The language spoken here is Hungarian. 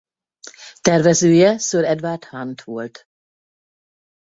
Tervezője Sir Edward Hunt volt.